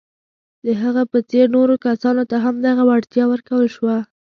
د هغه په څېر نورو کسانو ته هم دغه وړتیا ورکول شوه.